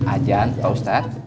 ajaan pak ustaz